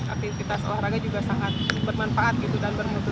aktivitas olahraga juga sangat bermanfaat gitu dan bermutu